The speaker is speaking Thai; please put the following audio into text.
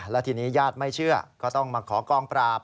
และทีนี้ญาติไม่เชื่อก็ต้องมาขอกองปราบ